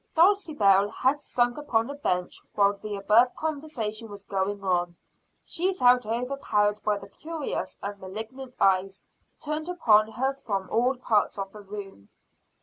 Dulcibel had sunk upon a bench while the above conversation was going on she felt overpowered by the curious and malignant eyes turned upon her from all parts of the room.